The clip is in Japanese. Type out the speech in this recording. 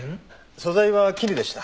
素材は絹でした。